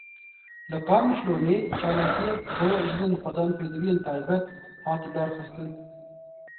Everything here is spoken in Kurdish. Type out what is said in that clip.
Li Qamişloyê çalakiyek bo jinên xwedan pêdiviyên taybet hat lidarxistin.